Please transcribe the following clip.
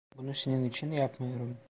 Bunu senin için yapmıyorum.